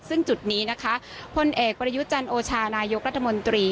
ซึ่งจุดนี้นะคะพลเอกประยุจันโอชานายกรัฐมนตรี